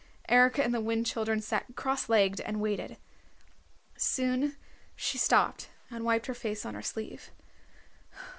Eric and the Wind Children sat cross legged and waited. Soon she stopped and wiped her face on her sleeve.